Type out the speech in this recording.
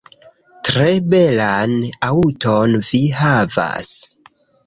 Tre belan aŭton vi havas